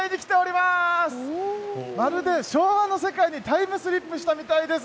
まるで昭和の世界にタイムスリップしたみたいです。